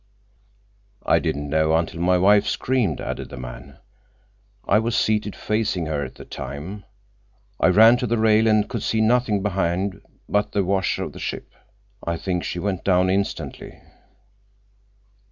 "I didn't know until my wife screamed," added the man. "I was seated facing her at the time. I ran to the rail and could see nothing behind but the wash of the ship. I think she went down instantly."